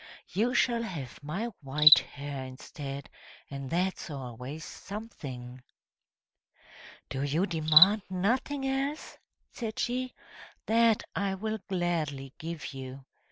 You shall have my white hair instead, and that's always something!" "Do you demand nothing else?" said she. "That I will gladly give you!"